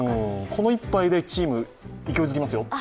この一杯でチーム、勢いづきますよ。